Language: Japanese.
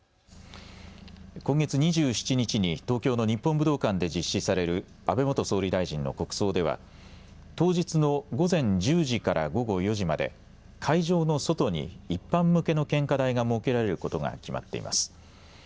今月２７日に東京の日本武道館で実施される安倍元総理大臣の国葬では当日の午前１０時から午後４時まで会場の外に一般向けの献花台が設けられることが決まっています。